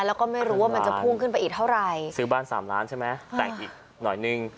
แล้วก็ไม่รู้ว่ามันจะพุ่งขึ้นไปอีกเท่าไหร่ซื้อบ้าน๓ล้านใช่ไหมแต่งอีกหน่อยนึง